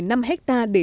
để trồng mẫu